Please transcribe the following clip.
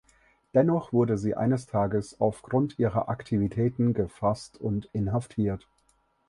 Dennoch wurde sie eines Tages aufgrund ihrer Aktivitäten gefasst und inhaftiert.